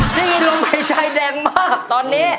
ซี่ลมหายใจแดงมากตอนนี้